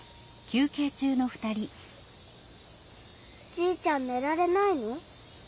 じいちゃんねられないの？